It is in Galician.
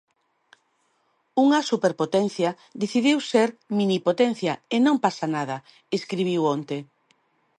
Unha superpotencia decidiu ser minipotencia e non pasa nada, escribiu onte.